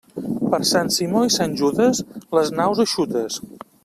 Per Sant Simó i Sant Judes, les naus eixutes.